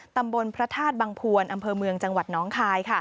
ตำบลพระธาตุบังพวนอำเภอเมืองจังหวัดน้องคาย